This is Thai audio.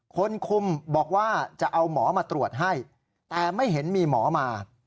คนคุมบอกว่าจะเอาหมอมาตรวจให้แต่ไม่เห็นมีหมอมา